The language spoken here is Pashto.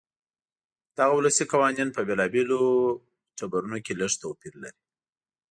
دغه ولسي قوانین په بېلابېلو ټبرونو کې لږ توپیر لري.